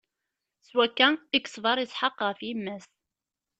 S wakka i yeṣber Isḥaq ɣef yemma-s.